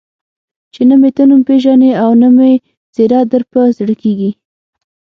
چې نه مې ته نوم پېژنې او نه مې څېره در په زړه کېږي.